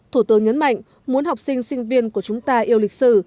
thủ tướng nhấn mạnh muốn học sinh sinh viên của chúng ta yêu lịch sử